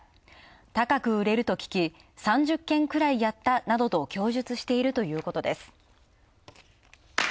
高く売れると聞き、３０件くらいやったなどと供述しているということです。